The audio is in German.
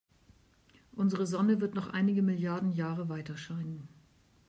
Unsere Sonne wird noch einige Milliarden Jahre weiterscheinen.